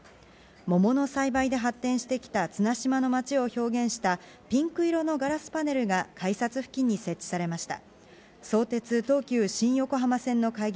桃の栽培で発展してきた綱島の町を表現したピンク色のガラスパネルが改札付近に設置されました。